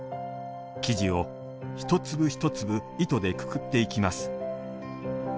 生地を一粒一粒糸でくくっていきます。